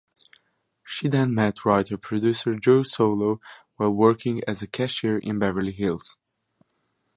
She then met writer-producer Joe Solo while working as a cashier in Beverly Hills.